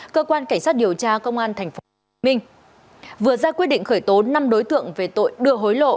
cơ quan cảnh sát điều tra công an tp hcm vừa ra quyết định khởi tố năm đối tượng về tội đưa hối lộ